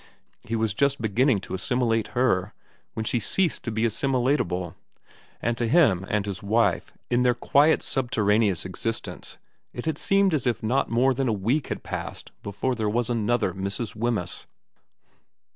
He was just beginning to assimilate her when she ceased to be assimilatable, and to him and his wife in their quiet subterraneous existence it had seemed as if not more than a week had passed before there was another Mrs. Wemyss.